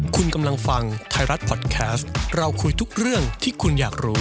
คุณกำลังฟังไทยรัฐพอดแคสต์เราคุยทุกเรื่องที่คุณอยากรู้